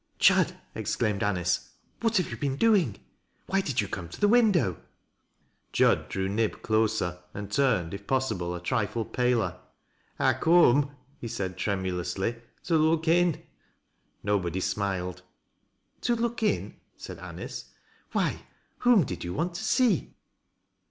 " Jud," exclaimed Anice, "what have you been doing ? Why did you come to the window ?" Jud drew Mb closer, and turned, if possible, a trifle paler. " I coom," he said, tremulously, " to look in " Nobody smiled. " To look in ?" said Anice. " Why, whom did you want to see